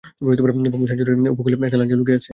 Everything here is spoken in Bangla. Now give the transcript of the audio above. বাসু সেমনচেরি উপকূলে, একটা লঞ্চে লুকিয়ে আছে।